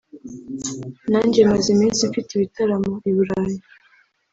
nanjye maze iminsi mfite ibitaramo i Burayi